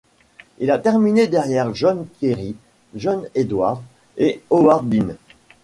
Il a terminé derrière John Kerry, John Edwards et Howard Dean.